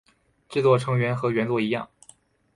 制作成员和原作一样。